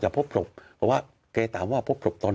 ประมาณ